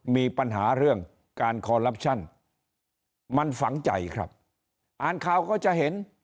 มีปัญหาเรื่องการคอลลับชั่นมันฝังใจครับอ่านข่าวก็จะเห็น